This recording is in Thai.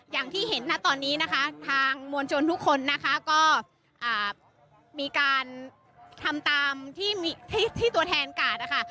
อย่างที่เห็นนะตอนนี้นะคะทางมวลชนทุกคนนะคะก็มีการทำตามที่ตัวแทนกาดนะคะ